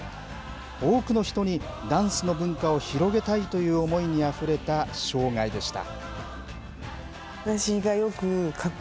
多くの人にダンスの文化を広げたいという思いにあふれた生涯でした。